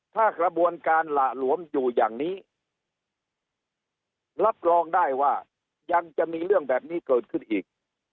ถ้ากระบวนการหละหลวมอยู่อย่างนี้รับรองได้ว่ายังจะมีเรื่องแบบนี้เกิดขึ้นอีก